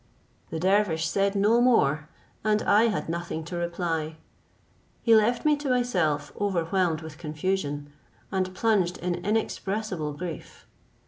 The dervish said no more, and I had nothing to reply. He left me to myself overwhelmed with confusion, and plunged in inexpressible grief.